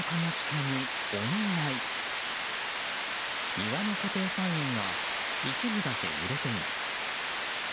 庭の家庭菜園が一部だけ揺れています。